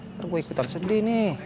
ntar gue ikutan sedih nih